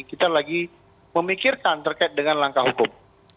kita lagi memikirkan terkait dengan langkah hukum